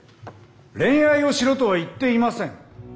恋愛をしろとは言っていません。